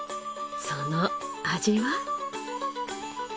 その味は？